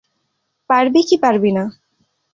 পারবি কি পারবি না?